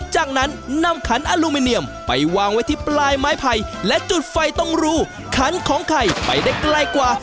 จากนั้นนำขันอลูมิเนียมไปวางไว้ที่ปลายไม้ไผ่และจุดไฟตรงรูขันของไข่ไปได้ไกลกว่า